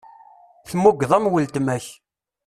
Tmugeḍ am weltma-k.